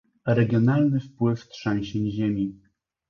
Regionalny wpływ trzęsień ziemi